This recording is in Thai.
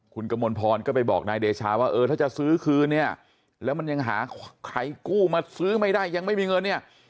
คุณกมลพรก็ไปบอกนายเดชาว่าเออถ้าจะซื้อคืนเนี่ยแล้วมันยังหาใครกู้มาซื้อไม่ได้ยังไม่มีเงินเนี่ย